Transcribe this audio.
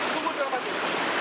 semua terlalu banyak